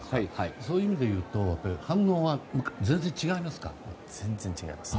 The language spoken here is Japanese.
そういう意味で言うと反応が全然違いますか？